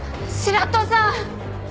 白土さん！